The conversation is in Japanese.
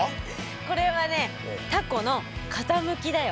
これはねたこの傾きだよ。